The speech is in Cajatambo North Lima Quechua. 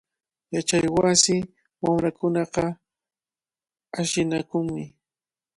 Yachaywasi wamrakunaqa ashllinakunmi.